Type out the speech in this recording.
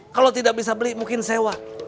kalau tidak bisa beli mungkin sewa